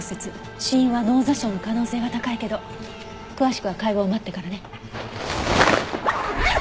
死因は脳挫傷の可能性が高いけど詳しくは解剖を待ってからね。